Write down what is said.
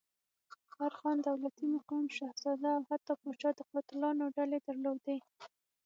هر خان، دولتي مقام، شهزاده او حتی پاچا د قاتلانو ډلې درلودلې.